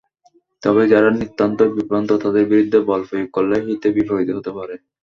তবে যারা নিতান্তই বিভ্রান্ত, তাদের বিরুদ্ধে বলপ্রয়োগ করলে হিতে বিপরীতই হতে পারে।